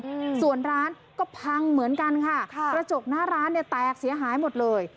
อืมส่วนร้านก็พังเหมือนกันค่ะค่ะกระจกหน้าร้านเนี้ยแตกเสียหายหมดเลย